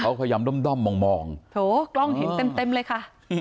เขาพยายามด้อมด้อมมองมองโถกล้องเห็นเต็มเต็มเลยค่ะ